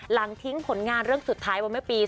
หลังทิ้งผลงานเรื่องสุดท้ายมาเมื่อปี๒๕